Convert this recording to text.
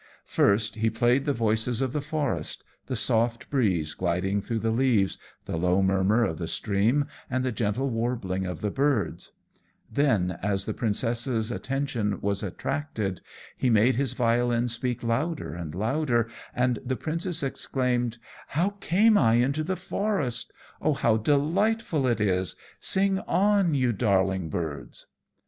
First he played the voices of the forest the soft breeze gliding through the leaves, the low murmur of the stream, and the gentle warbling of the birds; then, as the princess's attention was attracted, he made his violin speak louder and louder, and the Princess exclaimed, "How came I into the forest? Oh! how delightful it is! Sing on, you darling birds!"